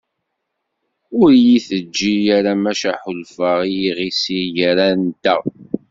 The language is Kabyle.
Ur iyi-teǧǧi ara maca ḥulfaɣ i yiɣisi gar-anteɣ.